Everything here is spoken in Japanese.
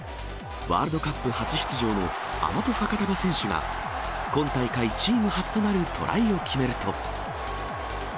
ワールドカップ初出場のアマト・ファカタヴァ選手が今大会チーム初となるトライを決めると。